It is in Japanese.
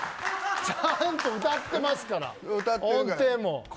ちゃんと歌ってますから音程も。